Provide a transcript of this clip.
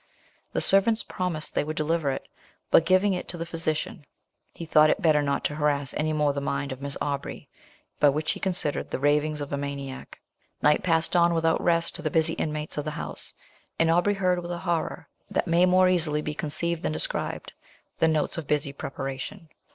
The servants promised they would deliver it; but giving it to the physician, he thought it better not to harass any more the mind of Miss Aubrey by, what he considered, the ravings of a maniac. Night passed on without rest to the busy inmates of the house; and Aubrey heard, with a horror that may more easily be conceived than described, the notes of busy preparation.